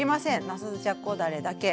なすじゃこだれだけ。